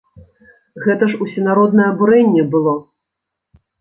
Гэта ж усенароднае абурэнне было.